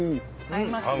合いますね。